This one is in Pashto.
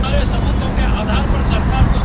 زولنې ځني بيريږي ..